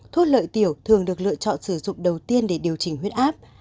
thuốc lợi tiểu thường được lựa chọn sử dụng đầu tiên để điều chỉnh huyết áp